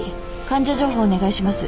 患者情報をお願いします。